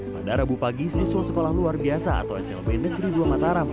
pada rabu pagi siswa sekolah luar biasa atau slb negeri dua mataram